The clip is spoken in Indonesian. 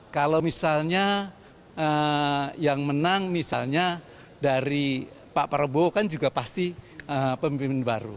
kalau misalnya yang menang misalnya dari pak prabowo kan juga pasti pemimpin baru